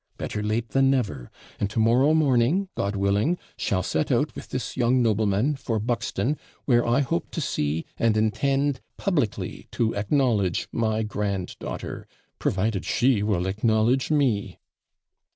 Better late than never; and to morrow morning, God willing, shall set out with this young nobleman for Buxton, where I hope to see, and intend publicly to acknowledge, my grand daughter provided she will acknowledge me.'